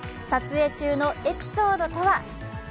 撮影中のエピソードとは？